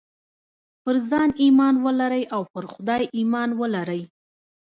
پر ځان ايمان ولرئ او پر خدای ايمان ولرئ.